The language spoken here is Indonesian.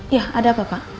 ya ada apa pak